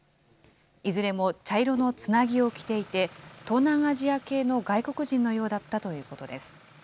いずれも茶色のつなぎを着ていて、東南アジア系の外国人のようだったということです。